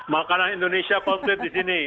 makanan indonesia komplit di sini